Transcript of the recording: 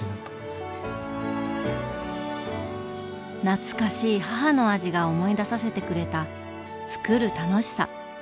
懐かしい母の味が思い出させてくれた「つくる楽しさ」。